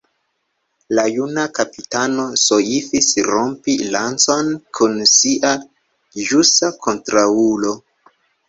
La juna kapitano soifis rompi lancon kun sia ĵusa kontraŭulo.